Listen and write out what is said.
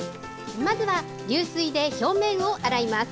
まずは流水で表面を洗います。